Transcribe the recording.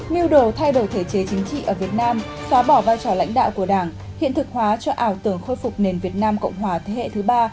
mưu đồ thay đổi thể chế chính trị ở việt nam xóa bỏ vai trò lãnh đạo của đảng hiện thực hóa cho ảo tưởng khôi phục nền việt nam cộng hòa thế hệ thứ ba